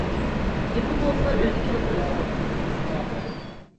گېپى بولسا ئۆزى كېلىپ قىلسۇن!